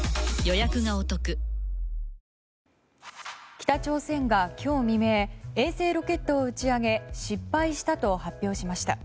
北朝鮮が今日未明衛星ロケットを打ち上げ失敗したと発表しました。